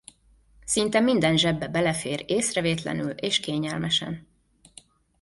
Szinte minden zsebbe belefér észrevétlenül és kényelmesen.